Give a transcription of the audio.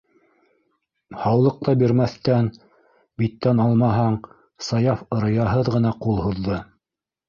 Һаулыҡ та бирмәҫтән биттән алмаһаң, - Саяф ырыяһыҙ ғына ҡул һуҙҙы.